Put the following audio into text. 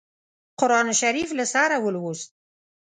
قرآن شریف له سره ولووست.